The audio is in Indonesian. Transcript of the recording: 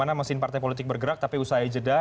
masih masih di mesin partai politik bergerak tapi usai jeda